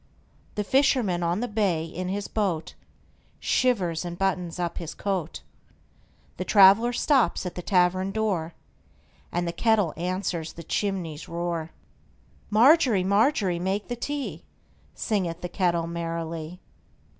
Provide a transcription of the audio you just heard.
The fisherman on the bay in his boatShivers and buttons up his coat; The traveller stops at the tavern door, And the kettle answers the chimney's roar. Margery, Margery, make the tea, Singeth the kettle merrily.